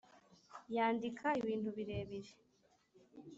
yandikaibintu birebire